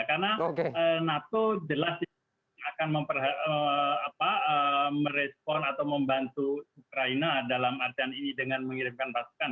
karena nato jelas akan merespon atau membantu ukraina dalam adanya ini dengan mengirimkan pasukan